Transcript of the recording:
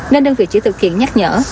nên đơn vị chỉ thực hiện nhắc nhở